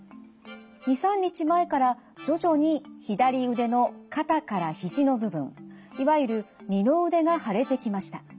２３日前から徐々に左腕の肩から肘の部分いわゆる二の腕が腫れてきました。